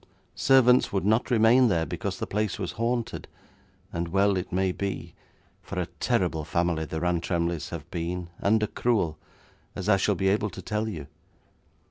Servants would not remain there because the place was haunted, and well it may be, for a terrible family the Rantremlys have been, and a cruel, as I shall be able to tell you.